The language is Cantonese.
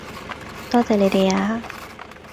多謝你哋呀